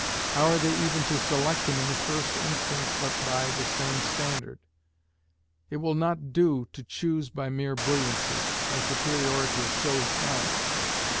How are they even to select him in the first instance but by the same standard? It will not do to choose by mere brilliancy by superiority of showy talent.